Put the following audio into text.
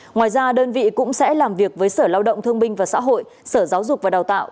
ngoài ra đơn vị cũng sẽ làm việc với sở lao động thương binh và xã hội sở giáo dục và đào tạo